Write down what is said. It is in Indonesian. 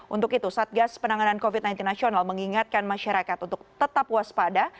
untuk itu satgas penanganan covid sembilan belas nasional mengingatkan masyarakat untuk tetap waspada